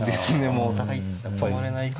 もうお互い止まれない感じに。